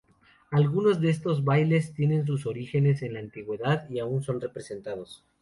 Algunos de estos bailes tiene sus orígenes en la antigüedad y aún son representados.